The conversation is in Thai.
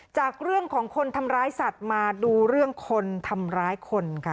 จากเรื่องของคนทำร้ายสัตว์มาดูเรื่องคนทำร้ายคนค่ะ